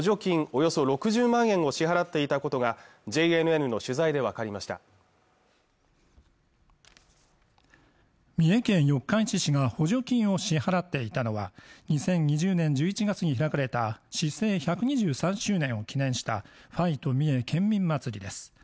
およそ６０万円を支払っていたことがＪＮＮの取材で分かりました三重県四日市市が補助金を支払っていたのは２０２０年１１月に開かれた市制１２３周年を記念したファイト三重！県民まつりです